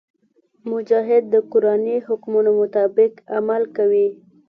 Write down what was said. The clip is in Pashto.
مجاهد د قرآني حکمونو مطابق عمل کوي.